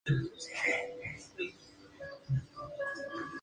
Este fue un período de investigación incesante sobre la materia y el volumen.